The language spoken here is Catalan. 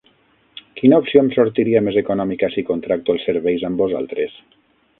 Quina opció em sortiria més econòmica si contracto els serveis amb vosaltres?